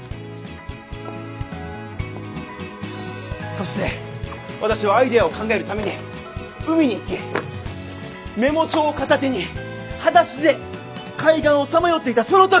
そして私はアイデアを考えるために海に行きメモ帳を片手にはだしで海岸をさまよっていたその時。